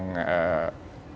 nah ini juga memang